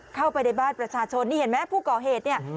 เข้าไปในบ้านประชาชนนี่เห็นไหมผู้ก่อเหตุเนี่ย